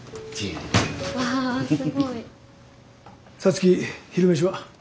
皐月昼飯は？